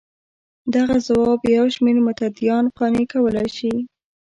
دغه ځواب یو شمېر متدینان قانع کولای شي.